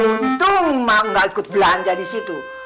untung mak gak ikut belanja disitu